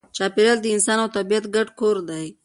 چاپېریال د انسان او طبیعت ګډ کور دی.